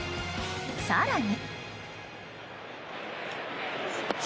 更に。